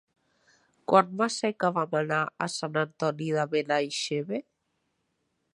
Quan va ser que vam anar a Sant Antoni de Benaixeve?